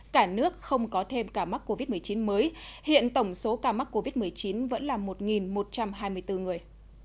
cả nước không có thêm ca mắc covid một mươi chín mới hiện tổng số ca mắc covid một mươi chín vẫn là một một trăm hai mươi bốn người